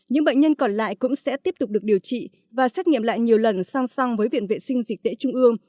những bệnh nhân còn lại cũng sẽ tiếp tục được điều trị và xét nghiệm lại nhiều lần song song với viện vệ sinh dịch tễ trung ương